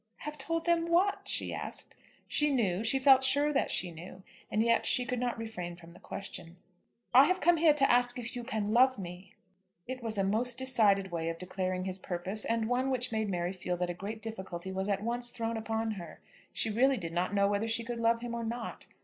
"Have told them what?" she asked. She knew; she felt sure that she knew; and yet she could not refrain from the question. "I have come here to ask if you can love me." It was a most decided way of declaring his purpose, and one which made Mary feel that a great difficulty was at once thrown upon her. She really did not know whether she could love him or not.